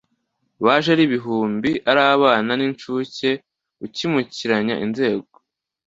Baje ari ibihumbi Ari abana b’incuke Ukimukiranya inzego